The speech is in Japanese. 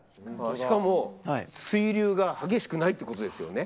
しかも水流が激しくないってことですよね。